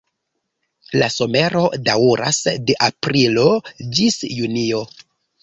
La somero daŭras de aprilo ĝis junio.